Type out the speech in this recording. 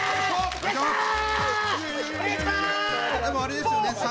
でもあれですよね